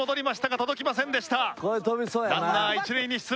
ランナー一塁に出塁。